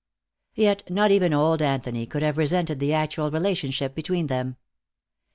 Yet not even old Anthony could have resented the actual relationship between them.